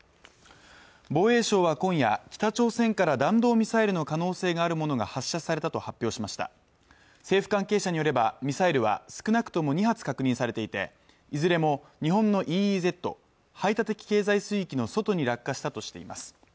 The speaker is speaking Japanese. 防衛省は今夜北朝鮮から弾道ミサイルの可能性があるものが発射されたと発表しました政府関係者によればミサイルは少なくとも２発確認されていていずれも日本のＥＥＺ＝排他的経済水域の外に落下したとしています